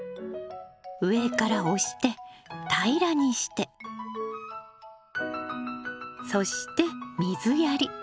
上から押して平らにしてそして水やり。